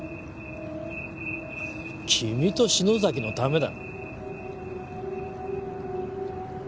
君と篠崎のためだ。